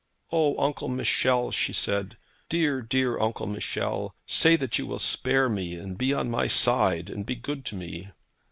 'O, Uncle Michel,' she said; 'dear, dear Uncle Michel; say that you will spare me, and be on my side, and be good to me.'